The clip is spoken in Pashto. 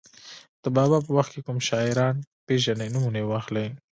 د بابا په وخت کې کوم شاعران پېژنئ نومونه یې واخلئ.